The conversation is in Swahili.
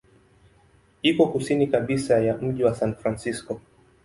Iko kusini kabisa ya mji wa San Francisco.